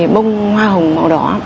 bông hoa hồng màu đỏ